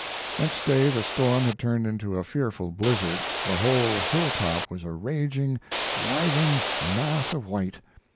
Next day the storm had turned into a fearful blizzard; the whole hilltop was a raging, driving mass of white.